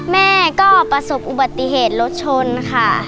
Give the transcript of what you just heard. แม่ก็ประสบอุบัติเหตุรถชนค่ะ